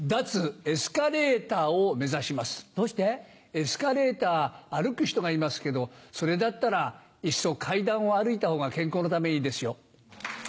エスカレーター歩く人がいますけどそれだったらいっそ階段を歩いたほうが健康のためいいですよ。